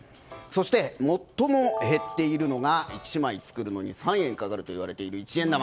そして最も減っているのが１枚作るのに３円かかるといわれている一円玉。